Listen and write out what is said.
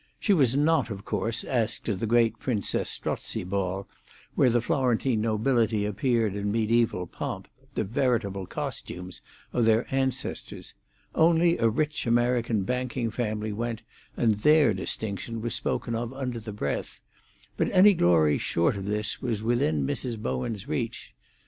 She was not, of course, asked to the great Princess Strozzi ball, where the Florentine nobility appeared in the mediaeval pomp—the veritable costumes—of their ancestors; only a rich American banking family went, and their distinction was spoken of under the breath; but any glory short of this was within Mrs. Bowen's reach.